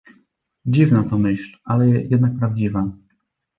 "Dziwna to myśl, ale jednak prawdziwa!"